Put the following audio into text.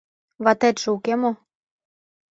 Ватетше уке мо?